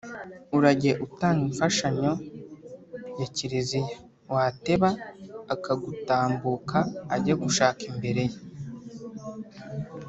Urajye utanga imfashanyo ya Kiliziya.wateba akagutambuka ajya gushaka imbere ye